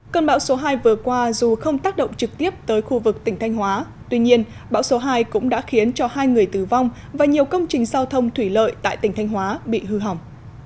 cơn bão số hai vừa qua dù không tác động trực tiếp tới khu vực tỉnh thanh hóa tuy nhiên bão số hai cũng đã khiến cho hai người tử vong và nhiều công trình giao thông thủy lợi tại tỉnh thanh hóa bị hư hỏng